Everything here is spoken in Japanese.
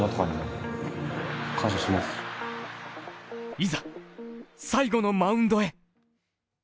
いざ、最後のマウンドへ。